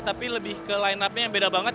tapi lebih ke line upnya yang beda banget